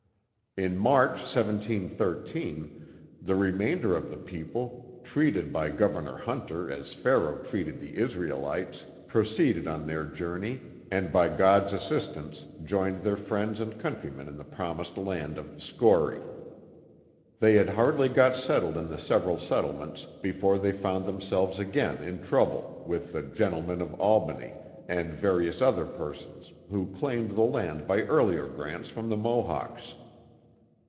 In March, 1713, the remainder of the people (treated by Gov ernor Hunter as Pharaoh treated the Israelites) proceeded on their journey, and by God's assistance joined their friends and countrymen in the promised land of * Schorie.' *' They had hardly got settled in the several settlements, be fore they found themselves again in trouble, with the Gen tlemen of Albany," and various other persons, who claimed the land by earlier grants from the Mohawks.